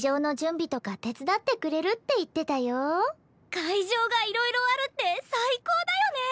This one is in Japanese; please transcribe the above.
会場がいろいろあるってサイコーだよね！